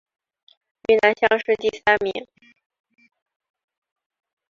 云南乡试第三名。